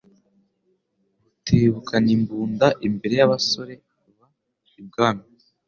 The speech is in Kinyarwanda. Rutebukanimbunda imbere y'abasore b,ibwami